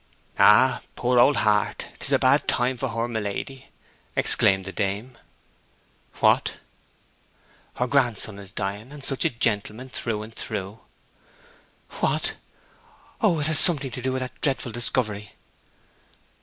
'Ah, poor old heart; 'tis a bad time for her, my lady!' exclaimed the dame. 'What?' 'Her grandson is dying; and such a gentleman through and through!' 'What! ... Oh, it has something to do with that dreadful discovery!'